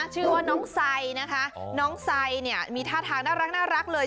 ชื่อว่าน้องไซนะคะน้องไซเนี่ยมีท่าทางน่ารักเลย